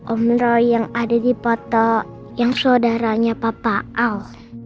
om roy yang ada di foto yang saudaranya papa al